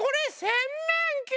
せんめんき！